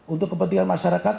untuk kepentingan masyarakat